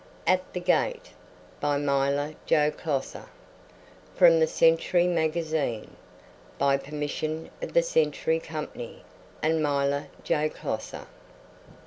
At the Gate BY MYLA JO CLOSSER From the Century Magazine. By permission of the Century Company and Myla J. Closser.